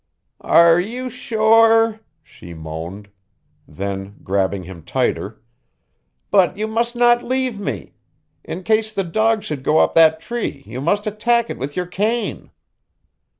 "Are y y y you s s s sure?" she moaned. Then grabbing him tighter. "But you must not leave me. In case the dog should go up that tree you must attack it with your cane."